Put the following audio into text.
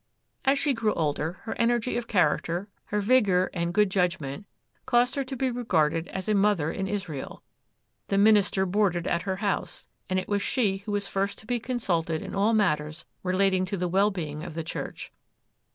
As she grew older, her energy of character, her vigour and good judgment, caused her to be regarded as a mother in Israel; the minister boarded at her house, and it was she who was first to be consulted in all matters relating to the well being of the church.